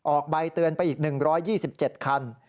ออกใบเตือนไปอีก๑๒๗คัน